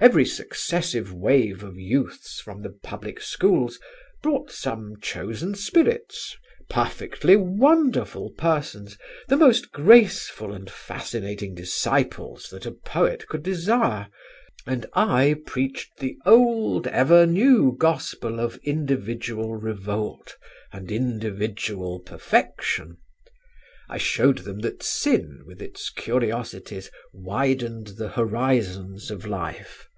Every successive wave of youths from the public schools brought some chosen spirits, perfectly wonderful persons, the most graceful and fascinating disciples that a poet could desire, and I preached the old ever new gospel of individual revolt and individual perfection. I showed them that sin with its curiosities widened the horizons of life.